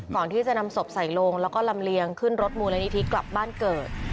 ก่อนที่จะนำศพใส่ลงแล้วก็ลำเลียงขึ้นรถมูลนิธิกลับบ้านเกิด